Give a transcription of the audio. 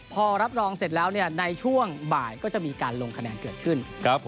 พอรับรองเสร็จแล้วในช่วงบ่ายก็จะมีการลงคะแนนเกิดขึ้น